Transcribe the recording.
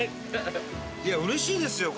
うれしいですよ